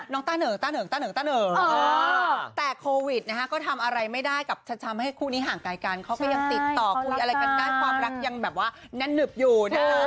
ต้าเหนิงต้าเหนิงต้าเหนิงต้าเหนิงแต่โควิดนะฮะก็ทำอะไรไม่ได้กับฉันทำให้คู่นี้ห่างไกลกันเขาก็ยังติดต่อคุยอะไรกันได้ความรักยังแบบว่าแน่นหนึบอยู่นะคะ